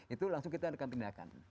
itu langsung kita akan tindakan